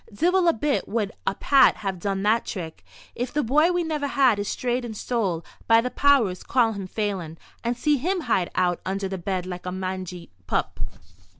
"Divil a bit would a Pat have done that trick. If the bye we never had is strayed and stole, by the powers, call him Phelan, and see him hide out under the bed like a mangy pup."